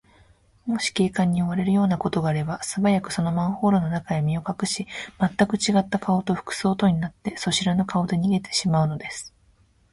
もし警官に追われるようなことがあれば、すばやく、そのマンホールの中へ身をかくし、まったくちがった顔と服装とになって、そしらぬ顔で逃げてしまうのです。